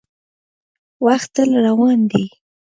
• وخت تل روان دی.